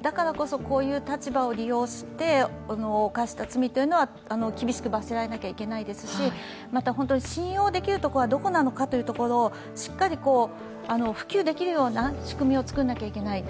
だからこそこういう立場を利用して犯した罪というのは厳しく罰せられなきゃいけないですし、信用できるところはどこなのかというところをしっかり普及できるような仕組みを作らなきゃいけない。